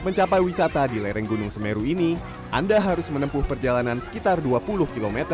mencapai wisata di lereng gunung semeru ini anda harus menempuh perjalanan sekitar dua puluh km